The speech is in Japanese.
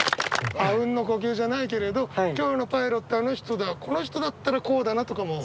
あうんの呼吸じゃないけれど今日のパイロットあの人だこの人だったらこうだなとかも。